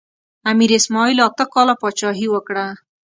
امیر اسماعیل اته کاله پاچاهي وکړه.